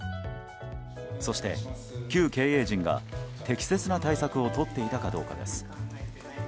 そして、旧経営陣が適切な対策をとっていたかどうかです。